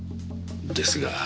ですが。